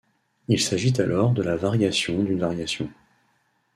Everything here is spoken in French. Il s'agit alors de la variation d'une variation.